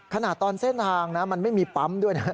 ขนาดตอนเส้นทางนะมันไม่มีปั๊มด้วยนะ